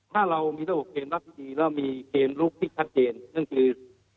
ถ้าเรามีระบบเกมรับที่ดีแล้วมีเกมลุกที่ชัดเจนนั่นคือ